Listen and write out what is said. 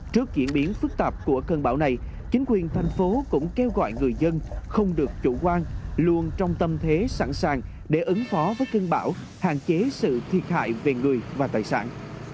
trước diễn biến phức tạp của cơn bão này chính quyền thành phố cũng kêu gọi người dân không được chủ quan luôn trong tâm thế sẵn sàng để ứng phó với cơn bão hạn chế sự thiệt hại về người và tài sản